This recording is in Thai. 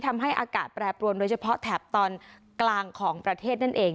ทำให้อากาศแปรปรวนโดยเฉพาะแถบตอนกลางของประเทศนั่นเอง